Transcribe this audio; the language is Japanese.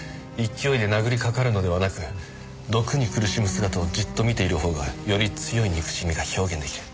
勢いで殴りかかるのではなく毒に苦しむ姿をじっと見ている方がより強い憎しみが表現出来る。